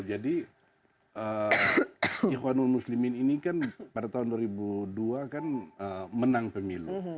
jadi ikhwanul muslimin ini kan pada tahun dua ribu dua kan menang pemilu